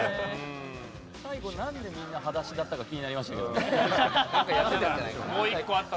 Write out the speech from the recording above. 最後なんでみんな、はだしだったか気になりましたけどね。